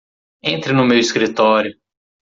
Entre no meu escritório!